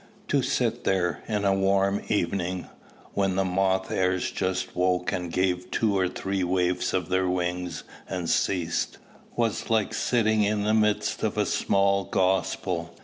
To sit there in a warm evening, when the moth airs just woke and gave two or three wafts of their wings and ceased, was like sitting in the midst of a small gospel.